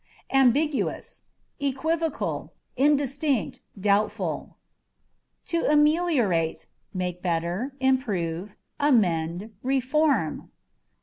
Ambiguousâ€" equivocal, indistinct, doubtful. To Ameliorate â€" make better, improve, amend, reform.